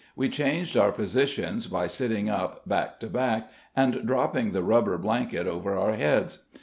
We changed our positions by sitting up, back to back, and dropping the rubber blanket over our heads.